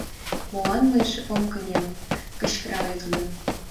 Молан мыйже ом кынел? — кычкырале тудо.